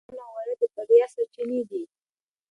ایمان او غیرت د بریا سرچینې دي.